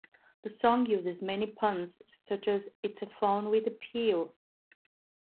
The song uses many puns such as It's a phone with appeal!